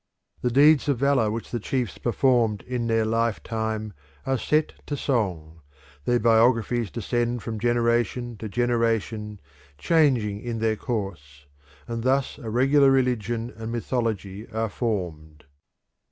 The deeds of valour which the chiefs performed in their lifetime are set to song; their biographies descend from generation to generation, changing in their course, and thus a regular religion and mythology are formed.